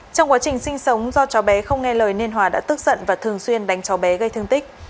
trong quá trình sinh sống do cháu bé không nghe lời nên hòa đã tức giận và thường xuyên đánh cháu bé gây thương tích